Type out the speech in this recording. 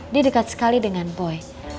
dia dekat sekali dengan boy